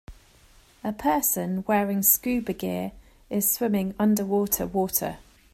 A person wearing scuba gear is swimming underwater water.